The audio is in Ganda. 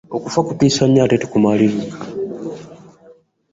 Okufa kutiisa nnyo ate tekumanyiirika.